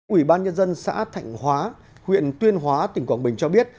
ủy ban nhân dân xã thạnh hóa huyện tuyên hóa tỉnh quảng bình cho biết